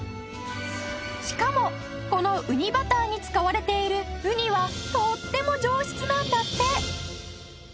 しかもこのうにバターに使われているウニはとっても上質なんだって。